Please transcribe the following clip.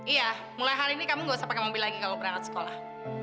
iya mulai hari ini kamu gak usah pakai mobil lagi kalau berangkat sekolah